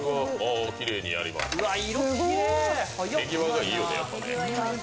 手際がいいよね。